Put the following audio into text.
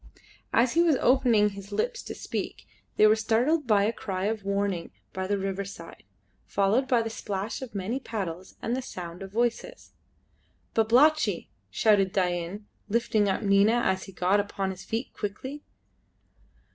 As he was opening his lips to speak they were startled by a cry of warning by the riverside, followed by the splash of many paddles and the sound of voices. "Babalatchi!" shouted Dain, lifting up Nina as he got upon his feet quickly.